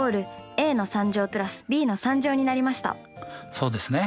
そうですね。